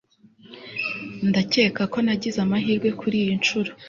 ndakeka ko nagize amahirwe kuriyi nshuro